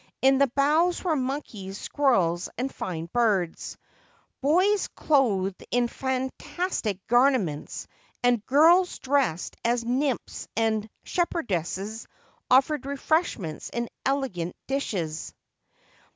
In the boughs were monkeys, squirrels, and fine birds. Boys clothed in fantastic garments, and girls dressed as n3nnphs and shepherdesses, offered refreshments in elegant dishes.